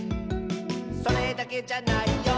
「それだけじゃないよ」